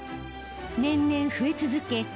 年々増え続け